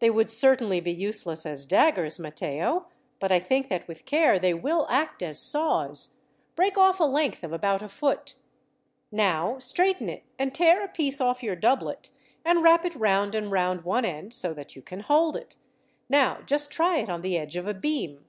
"They would certainly be useless as daggers, Matteo, but I think that with care they will act as saws. Break off a length of about a foot. "Now straighten it, and tear a piece off your doublet and wrap it round and round one end, so that you can hold it. Now just try it on the edge of a beam."